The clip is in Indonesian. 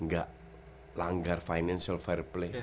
nggak langgar financial fair play